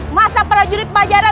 aku adalah prajurit pajajara